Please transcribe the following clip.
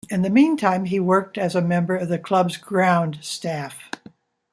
In the meantime, he worked as a member of the club's ground staff.